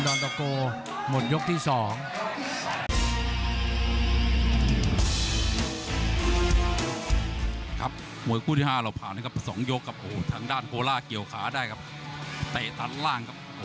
โดนหันล่าง